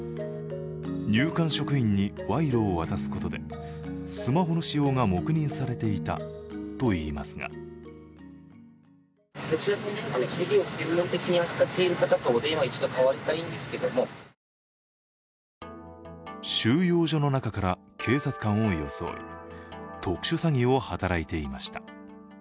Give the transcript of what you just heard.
入管職員に賄賂を渡すことでスマホの使用が黙認されていたといいますが収容所の中から警察官を装い特殊詐欺を働いていました。